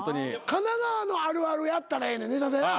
神奈川のあるあるやったらええねんネタでな。